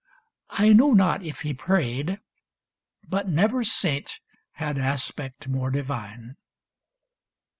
I know not if he prayed, but never saint Had aspect more divine.